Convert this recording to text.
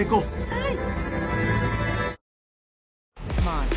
はい。